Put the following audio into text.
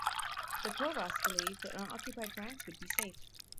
The Provosts believed that unoccupied France would be safe.